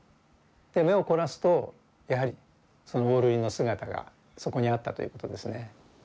目を凝らすとやはりそのオオルリの姿がそこにあったということですね。